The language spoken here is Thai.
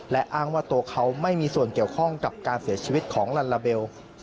และอ้างว่าตัวเขาไม่มีส่วนเกี่ยวข้องกับการเสียชีวิตของลัลลาเบล